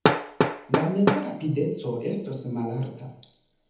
La meza rapideco estos malalta.